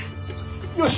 よし。